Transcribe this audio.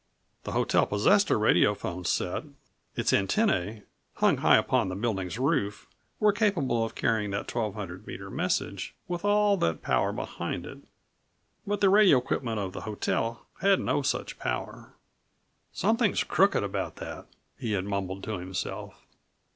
The hotel possessed a radiophone set. Its antenn[ae], hung high upon the building's roof, were capable of carrying that 1200 meter message with all that power behind it, but the radio equipment of the hotel had no such power. "Something crooked about that," he had mumbled to himself.